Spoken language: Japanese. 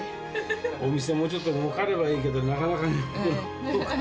お店、もうちょっともうかればいいけど、なかなかね。